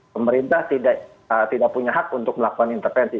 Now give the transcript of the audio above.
pemerintah tidak punya hak untuk melakukan intervensi